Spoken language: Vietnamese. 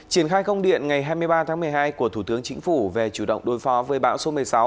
triển khai công điện ngày hai mươi ba tháng một mươi hai của thủ tướng chính phủ về chủ động đối phó với bão số một mươi sáu